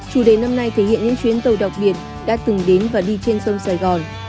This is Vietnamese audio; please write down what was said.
chủ đề năm nay thể hiện những chuyến tàu đặc biệt đã từng đến và đi trên sông sài gòn